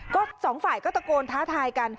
ก็สองฝ่ายก็ตะโกนท้าทายกัน